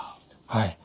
はい。